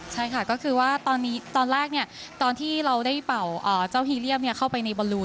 ใช่ค่ะก็คือว่าตอนแรกตอนที่เราได้เป่าเจ้าฮีเรียมเข้าไปในบอลลูน